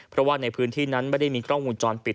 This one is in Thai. เพราะว่าในพื้นที่นั้นไม่ได้มีกล้องวงจรปิด